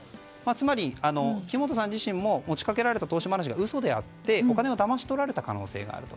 つまり、木本さん自身も持ち掛けられた投資話が嘘であって、お金をだまし取られた可能性があると。